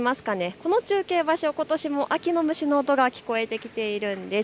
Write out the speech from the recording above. この中継場所、ことしも秋の虫の音色が聞こえてきています。